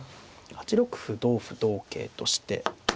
８六歩同歩同桂として。